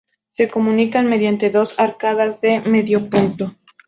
Se comunican mediante dos arcadas de medio punto.